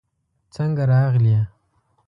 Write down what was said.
څنګه راغلې؟